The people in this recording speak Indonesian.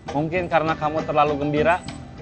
mungkin karena kamu terlalu gembira